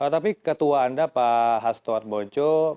tapi ketua anda pak hastoat bojjian